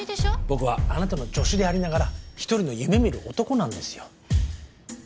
僕はあなたの助手でありながら一人の夢見る男なんですよ。